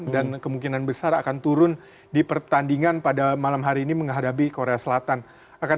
dan kemungkinan besar akan turun di pertandingan pada malam hari ini menghadapi korea selatan